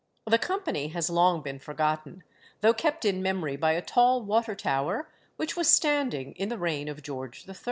The company has long been forgotten, though kept in memory by a tall water tower, which was standing in the reign of George III.